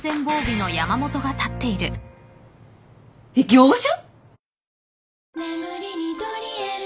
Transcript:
えっ業者？